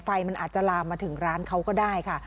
ไฟมันอาจจะลามมาถึงร้านเขาก็ได้ค่ะ